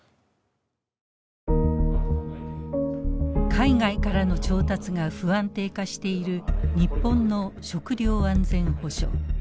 海外からの調達が不安定化している日本の食料安全保障。